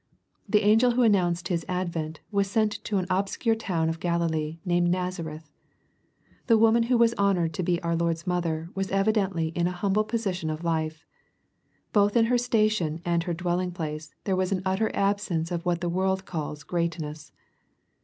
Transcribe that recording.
The angel who announced His advent, was sent to an obscure town of Galilee, named Nazareth. The woman who was honored to be our Lord's mother, was evidently in a humble position of life. Both in her station and her dwelling place, there was an utter absence of what the world calls "greatness."